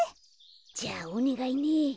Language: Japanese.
じゃあおねがいね。